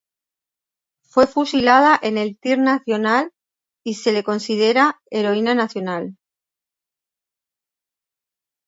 Fue fusilada en el Tir national y se le considera heroína nacional.